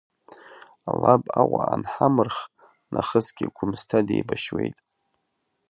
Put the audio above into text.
Лаб Аҟәа анҳамырх нахысгьы Гәмысҭа деибашьуеит.